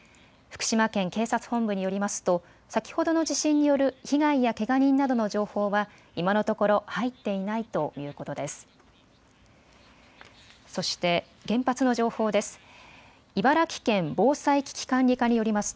福島県警察本部によりますと先ほどの地震による被害やけが人などの情報は今のところ入っていないということです。